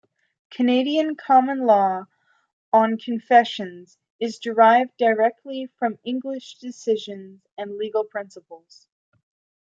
Canadian common law on confessions is derived directly from English decisions and legal principles.